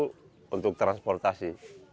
kuda yang dibutuhkan untuk transportasi